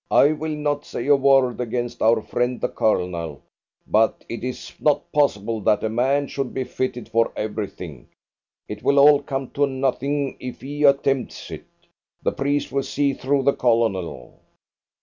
"I will not say a word against our friend the Colonel, but it is not possible that a man should be fitted for everything. It will all come to nothing if he attempts it. The priest will see through the Colonel."